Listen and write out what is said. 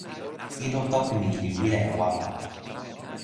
ilo toki mi li wile e wawa.